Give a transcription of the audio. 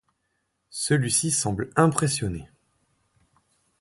Celui-ci semble impressionné.